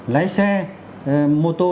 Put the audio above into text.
lái xe mô tô